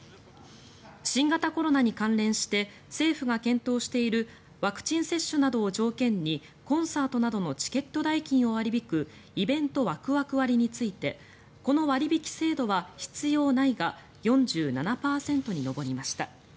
新型コロナに関連して政府が検討しているワクチン接種などを条件にコンサートなどのチケット代金を割り引くイベントワクワク割についてこの割引制度は必要ないが４７％に上りました。